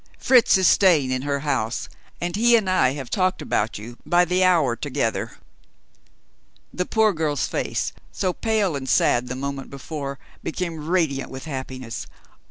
Fritz is staying in her house, and he and I have talked about you by the hour together." The poor girl's face, so pale and sad the moment before, became radiant with happiness.